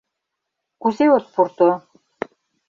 Кузе от пурто?